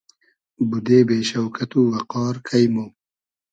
بودې بې شۆکئت و وئقار کݷ مۉ